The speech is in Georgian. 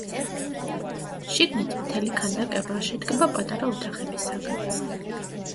შიგნით მთელი ქანდაკება შედგება პატარა ოთახებისაგან.